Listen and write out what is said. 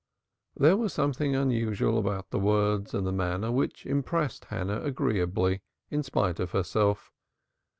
There was something unusual about the words and the manner which impressed Hannah agreeably, in spite of herself.